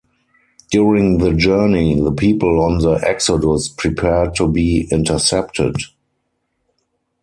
During the journey, the people on the "Exodus" prepared to be intercepted.